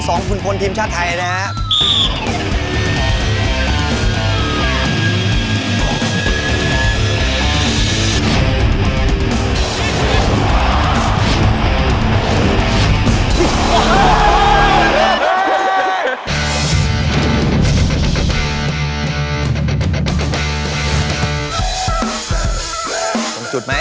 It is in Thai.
ต้องหยุดไหมต้องหยุดไหม